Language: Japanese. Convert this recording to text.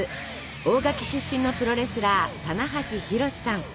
大垣出身のプロレスラー棚橋弘至さん。